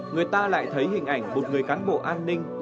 người ta lại thấy hình ảnh một người cán bộ an ninh